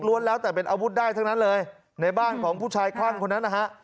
แล้วแต่เป็นอาวุธได้ทั้งนั้นเลยในบ้านของผู้ชายคลั่งคนนั้นนะฮะ